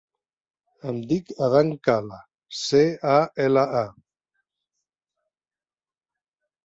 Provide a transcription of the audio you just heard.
Em dic Adán Cala: ce, a, ela, a.